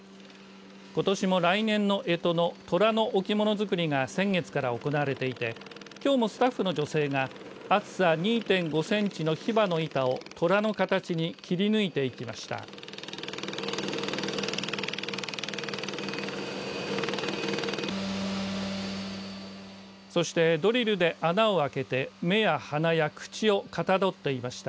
ことしも来年のえとの虎の置物作りが先月から行われていてきょうもスタッフの女性が厚さ２．５センチのヒバの板を虎の形に切り抜いていきました。